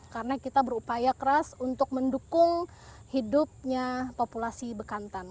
karena kita berupaya keras untuk mendukung hidupnya populasi bekantan